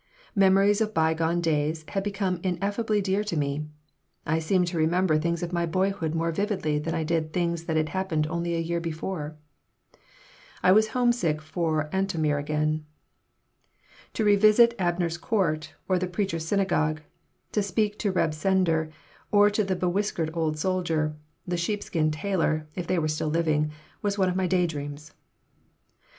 Memories of bygone days had become ineffably dear to me. I seemed to remember things of my boyhood more vividly than I did things that had happened only a year before I was homesick for Antomir again To revisit Abner's Court or the Preacher's Synagogue, to speak to Reb Sender, or to the bewhiskered old soldier, the skeepskin tailor, if they were still living, was one of my day dreams.